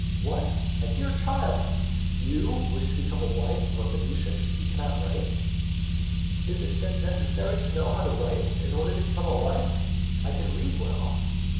"What, my dear child! you wish to become the wife of a Venetian, and you cannot write." "Is it then necessary to know how to write in order to become a wife? I can read well."